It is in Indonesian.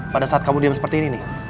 pada saat kamu diam seperti ini nih